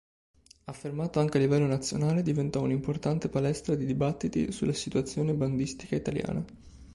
Affermato anche a livello nazionale diventò un'importante palestra di dibattiti sulla situazione bandistica italiana.